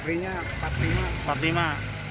ini belinya empat puluh lima